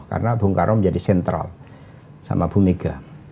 karena bung karno menjadi sentral sama bu mega